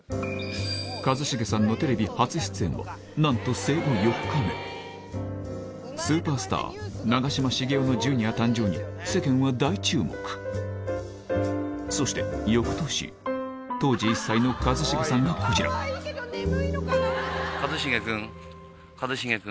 一茂さんのテレビ初出演はなんと生後４目目スーパースター長嶋茂雄のジュニア誕生に世間は大注目そして翌年当時１歳の一茂さんがこちらかわいいけど眠いのかな？